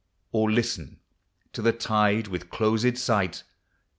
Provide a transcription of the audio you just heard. Or, listening to the tide with closed sight.